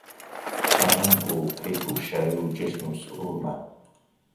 ئاهەنگ و کەیف و شایی و جێژن و سروورمان